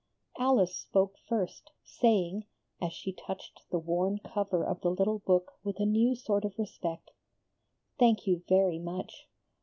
Alice spoke first, saying, as she touched the worn cover of the little book with a new sort of respect, "Thank you very much!